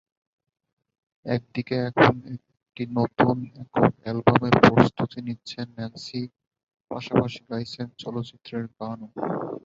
এদিকে, এখন একটি নতুন একক অ্যালবামের প্রস্তুতি নিচ্ছেন ন্যান্সি, পাশাপাশি গাইছেন চলচ্চিত্রের গানও।